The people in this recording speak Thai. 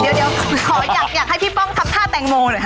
เดี๋ยวขออยากให้พี่ป้องทำท่าแตงโมหน่อยค่ะ